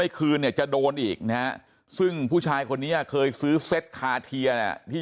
ไม่คืนจะโดนอีกนะซึ่งผู้ชายคนนี้เคยซื้อเซ็ตคาเทียที่